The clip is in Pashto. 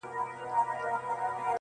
o تر څو نه یو شرمینده تر پاک سبحانه,